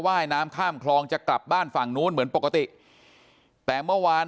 ว่ายน้ำข้ามคลองจะกลับบ้านฝั่งนู้นเหมือนปกติแต่เมื่อวาน